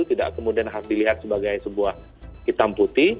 tidak kemudian harus dilihat sebagai sebuah hitam putih